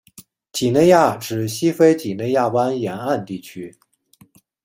几内亚指西非几内亚湾沿岸地区。